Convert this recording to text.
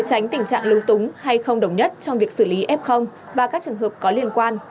tránh tình trạng lưu túng hay không đồng nhất trong việc xử lý f và các trường hợp có liên quan